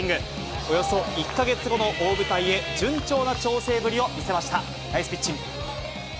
およそ１か月後の大舞台へ、順調な調整ぶりを見せました。